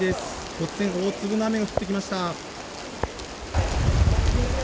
突然、大粒の雨が降ってきました。